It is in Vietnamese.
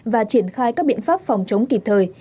và triển khai các biện pháp phòng chống kịp thời